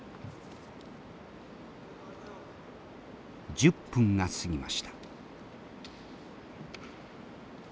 １０分が過ぎました。